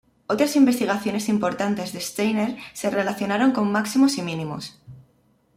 Otras investigaciones importantes de Steiner se relacionaron con máximos y mínimos.